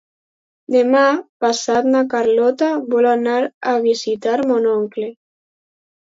Demà passat na Carlota vol anar a visitar mon oncle.